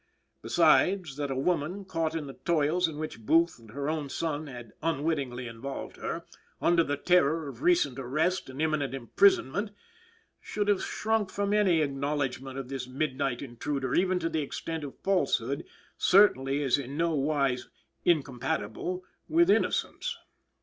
Besides, that a woman, caught in the toils in which Booth and her own son had unwittingly involved her, under the terror of recent arrest and imminent imprisonment, should have shrunk from any acknowledgment of this midnight intruder, even to the extent of falsehood, certainly is in no wise incompatible with innocence.